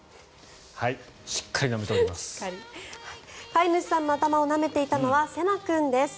飼い主さんの頭をなめていたのはセナ君です。